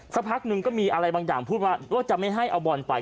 สักพักหนึ่งก็มีอะไรบางอย่างพูดว่าจะไม่ให้เอาบอลไป